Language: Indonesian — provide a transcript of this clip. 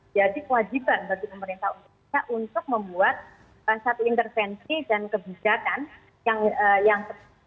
jadi kewajiban bagi pemerintah untuk membuat satu intervensi dan kebijakan yang